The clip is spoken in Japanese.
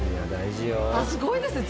あっすごいですね。